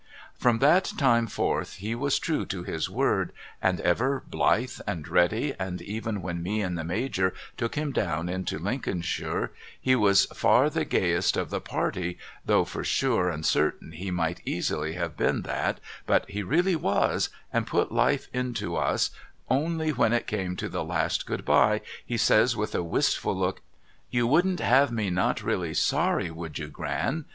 From that time forth he was true to his word and ever blithe and ready, and even when me and the Major took him down into THE MAJOR'S SPIRITS DROOP 347 Lincolnshire he was far the gayest of the party though for sure and certain he might easily have been that, but he really was and put life into us only when it came to the last Good bye, he says with a wistful look, ' You wouldn't have me not really sorry would you Ciran